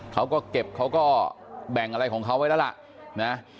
เขาก็เก็บเขาก็แบ่งอะไรของเขาไว้แล้วล่ะนะ